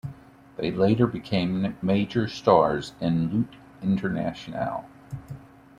They later became major stars in Lutte Internationale.